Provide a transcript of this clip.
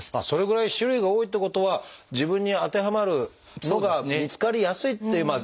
それぐらい種類が多いってことは自分に当てはまるのが見つかりやすいっていう。